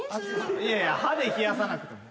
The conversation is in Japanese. いやいや歯で冷やさなくても。